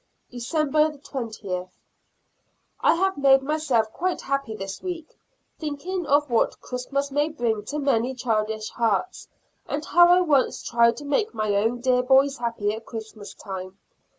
December 20. I have made myself quite happy this week, thinking of what Christmas may bring to many childish hearts, and how I once tried to make my own dear boys happy at Christmas time.